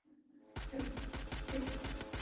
শহরটি গঙ্গা নদীর পূর্ব তীরে অবস্থিত ছিল।